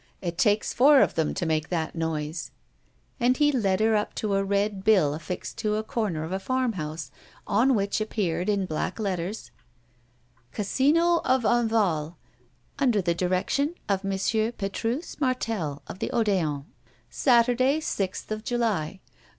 It takes four of them to make that noise." And he led her up to a red bill affixed to a corner of a farmhouse, on which appeared in black letters: CASINO OF ENVAL UNDER THE DIRECTION OF M. PETRUS MARTEL, OF THE ODÉON. Saturday, 6th of July.